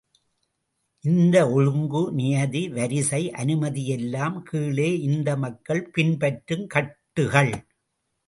இந்த ஒழுங்கு, நியதி, வரிசை, அனுமதி எல்லாம் கீழே இந்த மக்கள் பின்பற்றும் கட்டுகள்.